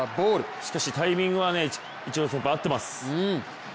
しかしタイミングはイチロー先輩、合ってます。